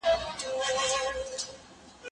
زه کولای سم مينه وښيم،